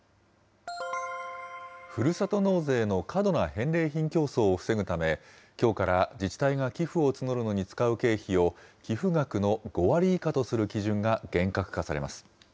ふるさと納税の過度な返礼品競争を防ぐため、きょうから自治体が寄付を募るのに使う経費を、寄付額の５割以下とする基準が厳格化されます。